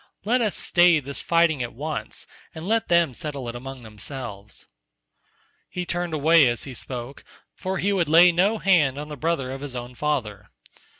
Let us stay this fighting at once and let them settle it among themselves." He turned away as he spoke, for he would lay no hand on the brother of his own father.